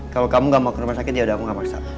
kalau kamu gak mau ke rumah sakit yaudah aku gak masak